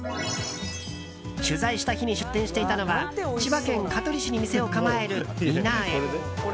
取材した日に出店していたのは千葉県香取市に店を構えるいなえ。